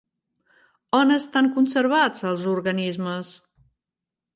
On estan conservats els organismes?